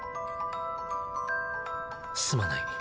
すまない。